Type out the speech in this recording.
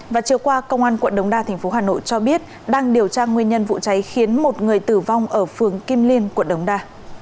và chiều qua công an quận đống đa tp hà nội cho biết đang điều tra nguyên nhân vụ cháy khiến một người tử vong ở phường kim liên quận đống đa